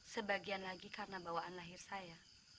sebagian lagi karena bawaan lahir saya